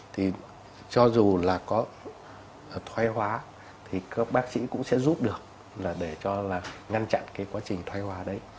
thì cho dù là có thoái hóa thì các bác sĩ cũng sẽ giúp được là để cho là ngăn chặn cái quá trình thoái hòa đấy